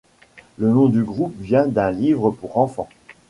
Le nom du groupe vient d'un livre pour enfants.